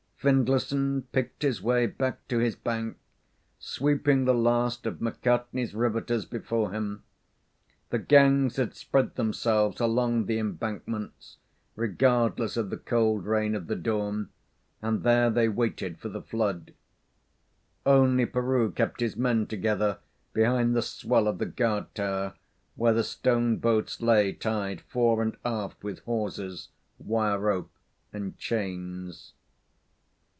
Findlayson picked his way back to his bank, sweeping the last of McCartney's riveters before him. The gangs had spread themselves along the embankments, regardless of the cold rain of the dawn, and there they waited for the flood. Only Peroo kept his men together behind the swell of the guard tower, where the stone boats lay tied fore and aft with hawsers, wire rope, and chains.